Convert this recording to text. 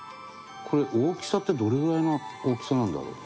これ大きさってどれぐらいの大きさなんだろう？